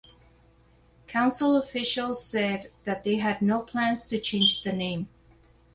Council officials said that they had no plans to change the name.